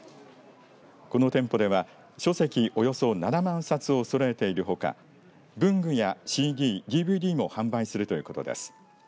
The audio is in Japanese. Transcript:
この店舗では書籍およそ７万冊をそろえているほか文具やＣＤ、ＤＶＤも販売するということです。